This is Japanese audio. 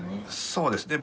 そうですね。